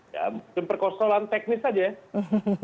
ya mungkin persoalan teknis saja ya